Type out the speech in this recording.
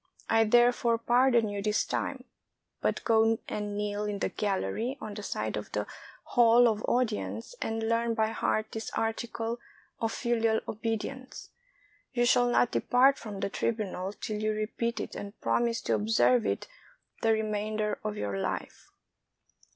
I therefore pardon you this time ; but go and kneel in the gallery on the side of the hall of audience, and learn by heart this article of filial obedience. You shall not depart from the tri bunal till you repeat it and promise to observe it the remainder of your Hfe."